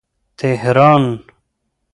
تهران